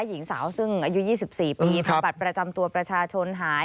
หญิงสาวซึ่งอายุ๒๔ปีทำบัตรประจำตัวประชาชนหาย